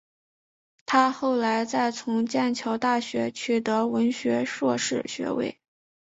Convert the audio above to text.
她后来再从剑桥大学取得文学硕士学位。